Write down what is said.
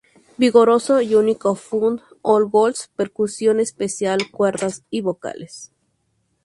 Vigoroso y único Full-on gold, percusión especial, cuerdas y vocales.